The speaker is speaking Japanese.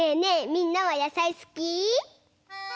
みんなはやさいすき？